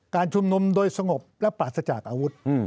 ชุมนุมโดยสงบและปราศจากอาวุธ